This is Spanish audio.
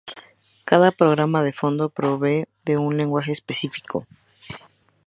Cada programa de fondo provee de un lenguaje específico.